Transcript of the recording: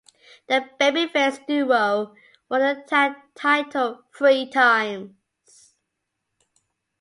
The babyface duo won the Tag title three times.